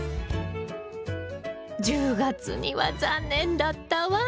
１０月には残念だったわ。